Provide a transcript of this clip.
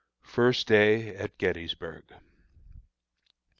FIRST DAY AT GETTYSBURG.